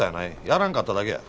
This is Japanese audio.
やらんかっただけや。